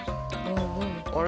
あれ？